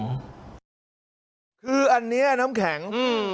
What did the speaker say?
คืออันนี้น้ำแข็ง